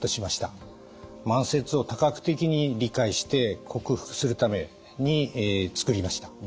慢性痛を多角的に理解して克服するために作りました。